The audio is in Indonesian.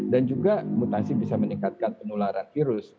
dan juga mutasi bisa meningkatkan penularan virus